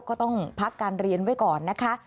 ก็ต้องพักการเรียนไว้ก่อนนะคะ